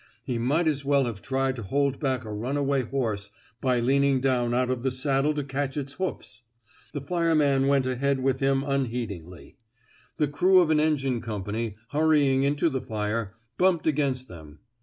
He might as well have tried to hold back a runaway horse by lean ing down out of the saddle to catch its hoofs ; the fireman went ahead with him unheed ingly. The crew of an engine company, hurrying into the fire, bumped against them.